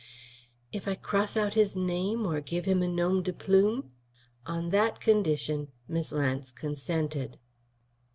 "If I cross out his name, or give him a nom de plume?" On that condition Miss Lance consented.